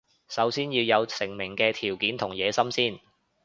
首先要有成名嘅條件同野心先